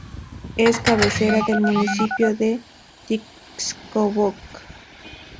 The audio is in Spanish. Es cabecera del municipio de Tixkokob.